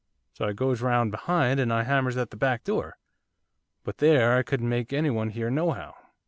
So I goes round behind, and I hammers at the back door, but there, I couldn't make anyone hear nohow.